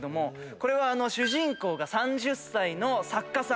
これは主人公が３０歳の作家さん。